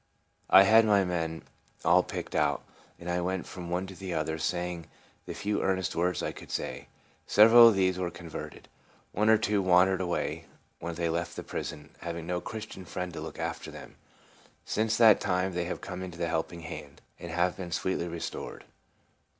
I had my men all picked out, and I went from one to the other, saying the few earnest words I could say. Several of these were converted. One or two wandered away when they left the prison, having no Christian friend to look after them. Since that .time they have come into the Helping Hand, and have been sweetly restored.